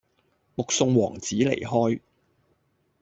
目送王子離開